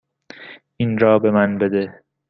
این را به من بده.